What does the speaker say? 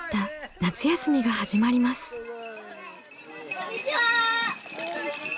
こんにちは。